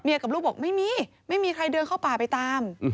กับลูกบอกไม่มีไม่มีใครเดินเข้าป่าไปตาม